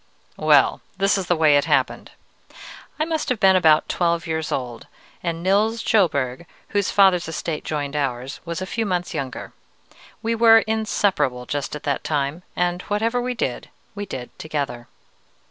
Well, this is the way it happened. I must have been about twelve years old, and Nils Sjöberg, whose father's estate joined ours, was a few months younger. We were inseparable just at that time, and whatever we did, we did together.